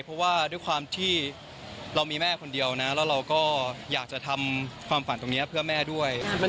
เพราะว่าด้วยความที่เรามีแม่คนเดียวนะแล้วเราก็อยากจะทำความฝันตรงนี้เพื่อแม่ด้วย